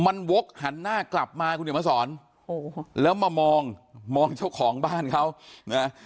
มันวกหันหน้ากลับมาคุณเดี๋ยวมาสอนโอ้โหแล้วมามองมองเจ้าของบ้านเขานะ